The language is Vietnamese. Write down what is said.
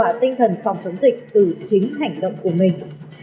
và lan tỏa tinh thần phòng chống dịch từ chính hành động của mình